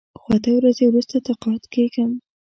خو اته ورځې وروسته تقاعد کېږم.